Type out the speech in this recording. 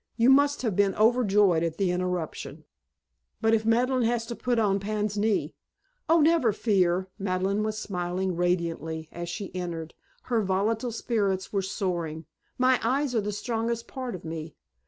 You must have been overjoyed at the interruption. But if Madeleine has to put on pincenez " "Oh, never fear!" Madeleine was smiling radiantly as she entered. Her volatile spirits were soaring. "My eyes are the strongest part of me.